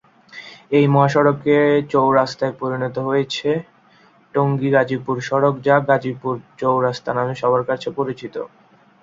এই মহাসড়কে চৌরাস্তায় পরিণত করেছে টঙ্গী-গাজীপুর সড়ক যা গাজীপুর চৌরাস্তা নামে সবার কাছে পরিচিত।